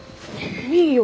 いいよ。